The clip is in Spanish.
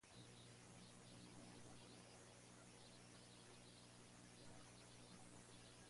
Sin el conocimiento del secreto el mensaje subliminal no puede ser leído ni detectado.